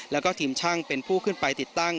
แล้วก็ทีมช่างเป็นผู้ขึ้นไปติดตั้ง